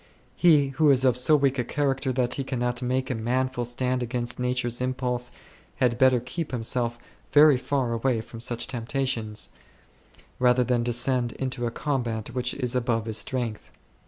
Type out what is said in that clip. He who is of so weak a character that he cannot make a manful stand against nature's impulse had better8 keep himself very far away from such temptations, rather than descend into a combat which is above his strength.